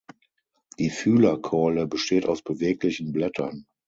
Die Fühlerkeule besteht aus beweglichen Blättern.